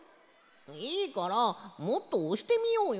いいからもっとおしてみようよ。